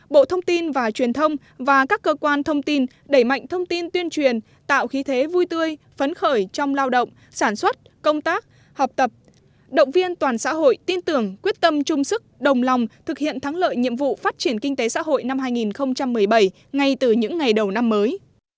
bộ thông tin và truyền thông và các cơ quan thông tin đẩy mạnh thông tin tuyên truyền tạo khí thế vui tươi phấn khởi trong lao động sản xuất công tác học tập động viên toàn xã hội tin tưởng quyết tâm chung sức đồng lòng thực hiện thắng lợi nhiệm vụ phát triển kinh tế xã hội năm hai nghìn một mươi bảy ngay từ những ngày đầu năm mới